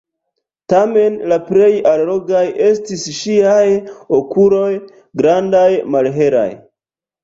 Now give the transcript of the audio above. Tamen la plej allogaj estis ŝiaj okuloj, grandaj, malhelaj.